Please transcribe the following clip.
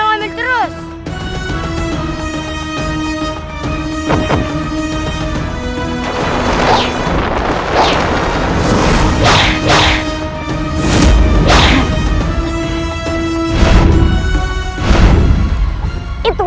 aku akan membuatmu mati